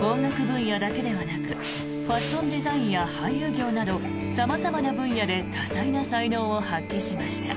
音楽分野だけではなくファッションデザインや俳優業など様々な分野で多彩な才能を発揮しました。